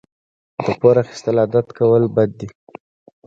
د پور اخیستل عادت کول بد دي.